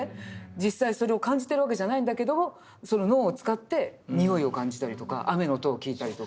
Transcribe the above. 実際にそれを感じてるわけじゃないんだけどもその脳を使って匂いを感じたりとか雨の音を聞いたりとか。